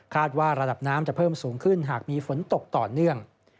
ว่าระดับน้ำจะเพิ่มสูงขึ้นหากมีฝนตกต่อเนื่อง